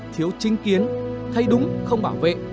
thiếu chính kiến thấy đúng không bảo vệ